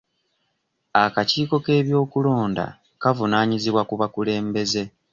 Akakiiko k'ebyokulonda kavunaanyizibwa ku bakulembeze.